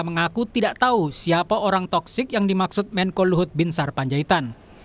mengaku tidak tahu siapa orang toksik yang dimaksud menko luhut bin sarpanjaitan